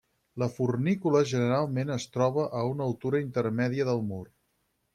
La fornícula generalment es troba a una altura intermèdia del mur.